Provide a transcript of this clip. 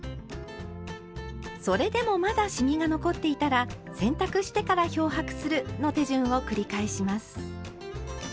それでもまだシミが残っていたら「洗濯してから漂白する」の手順を繰り返します。